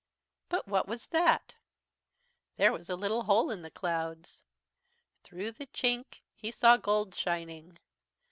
"But what was that! "There was a little hole in the clouds. Through the chink he saw gold shining.